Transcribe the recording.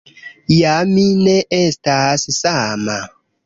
Ja mi ne estas sama.